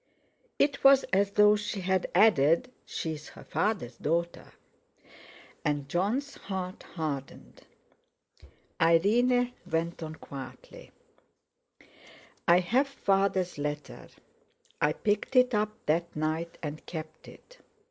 It was as though she had added: "She is her father's daughter!" And Jon's heart hardened. Irene went on quietly: "I have Father's letter. I picked it up that night and kept it.